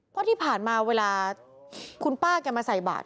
เพราะที่ผ่านมาเวลาคุณป้าแกมาใส่บาท